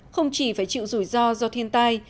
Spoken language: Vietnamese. không chỉ phải chịu rủi ro do thiên tai